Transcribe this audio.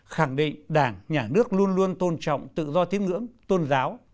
khẳng định đảng nhà nước luôn luôn tôn trọng tự do tiếng ngưỡng tôn giáo